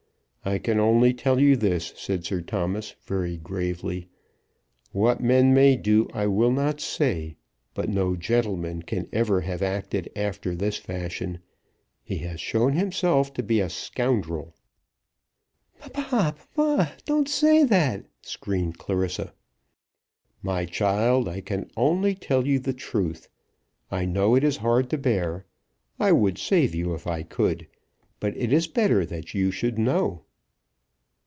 "I can only tell you this," said Sir Thomas very gravely, "what men may do I will not say, but no gentleman can ever have acted after this fashion. He has shown himself to be a scoundrel." "Papa, papa; don't say that!" screamed Clarissa. "My child, I can only tell you the truth. I know it is hard to bear. I would save you if I could; but it is better that you should know."